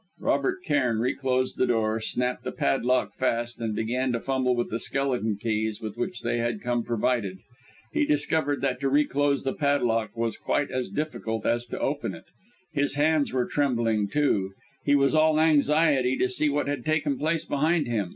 Robert Cairn reclosed the door, snapped the padlock fast, and began to fumble with the skeleton keys with which they had come provided. He discovered that to reclose the padlock was quite as difficult as to open it. His hands were trembling too; he was all anxiety to see what had taken place behind him.